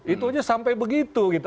itu aja sampai begitu gitu